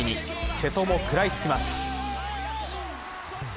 瀬戸も食らいつきます。